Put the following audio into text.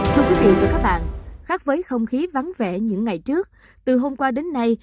thưa quý vị và các bạn khác với không khí vắng vẻ những ngày trước từ hôm qua đến nay